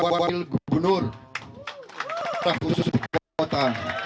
sebagai wakil gubernur daerah khusus ibu kota